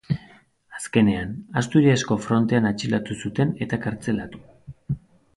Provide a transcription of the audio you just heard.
Azkenean, Asturiasko frontean atxilotu zuten, eta kartzelatu.